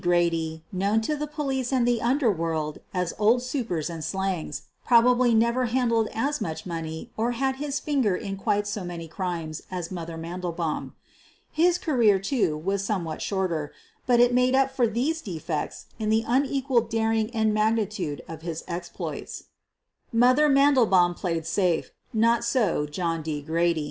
Grady, known to the police and the under world as "Old Supers and Slangs,' ' probably never handled as much money or had his finger in quite so many crimes as "Mother" Mandelbaum. His career, too, was somewhat shorter, but it made up for these defects in the unequaled daring and mag nitude of his exploits. "Mother" Mandelbaum "played safe." Not so John D. Grady.